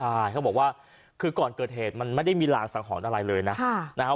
ใช่เขาบอกว่าคือก่อนเกิดเหตุมันไม่ได้มีรางสังหรณ์อะไรเลยนะ